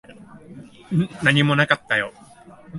何もなかったよ。